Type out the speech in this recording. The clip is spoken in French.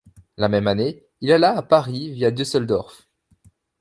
La même année il alla à Paris via Düsseldorf.